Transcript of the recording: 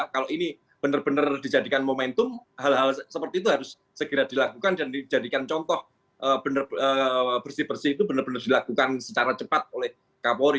kalau ini benar benar dijadikan momentum hal hal seperti itu harus segera dilakukan dan dijadikan contoh bersih bersih itu benar benar dilakukan secara cepat oleh kapolri